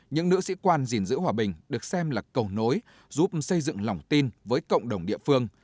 những nữ sĩ quan gìn giữ hòa bình được xem là cầu nối giúp xây dựng lòng tin với cộng đồng địa phương